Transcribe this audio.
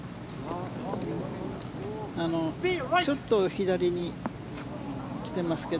ちょっと左に来ていますが。